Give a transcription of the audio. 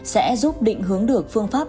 sẽ giúp định hướng được phương pháp